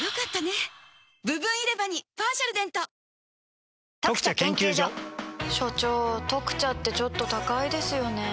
はいへえー所長「特茶」ってちょっと高いですよね